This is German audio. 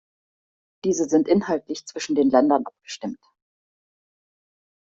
Diese sind inhaltlich zwischen den Länder abgestimmt.